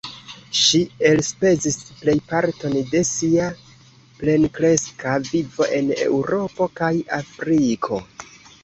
Ŝi elspezis plejparton de sia plenkreska vivo en Eŭropo kaj Afriko.